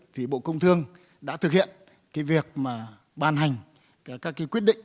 thì bộ công thường đã thực hiện việc ban hành các quyết định